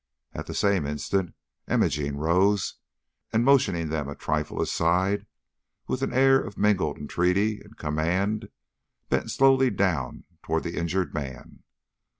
At the same instant Imogene rose, and motioning them a trifle aside, with an air of mingled entreaty and command, bent slowly down toward the injured man.